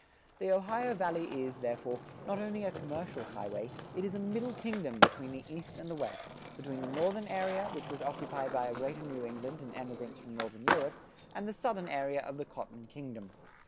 The Ohio Valley is, therefore, not only a commercial highway, it is a middle kingdom between the East and the West, between the northern area, which was occupied by a greater New England and emigrants from northern Europe, and the southern area of the "Cotton Kingdom."